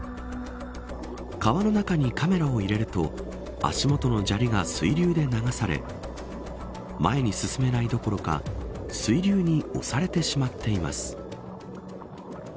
川の中にカメラを入れると足元の砂利が水流で流され前に進めないどころか水流に押されてしまっています。